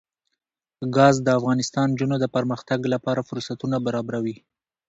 ګاز د افغان نجونو د پرمختګ لپاره فرصتونه برابروي.